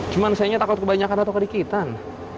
cuma sayangnya takut kebanyakan atau ke dikitan